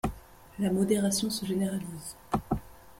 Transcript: La modération se généralise.